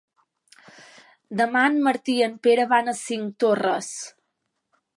Demà en Martí i en Pere van a Cinctorres.